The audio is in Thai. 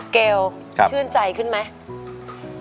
เกลชื่นใจขึ้นไหม